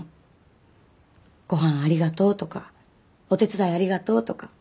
「ご飯ありがとう」とか「お手伝いありがとう」とか。